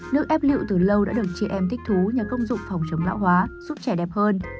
nước ép liệu từ lâu đã được chị em thích thú nhờ công dụng phòng chống lão hóa giúp trẻ đẹp hơn